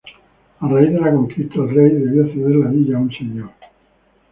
A raíz de la conquista, el rey debió ceder la villa a un señor.